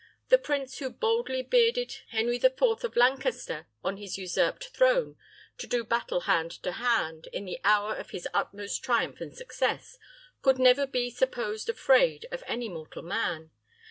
The prince who boldly bearded Henry the Fourth of Lancaster on his usurped throne, to do battle hand to hand, in the hour of his utmost triumph and success, could never be supposed afraid of any mortal man.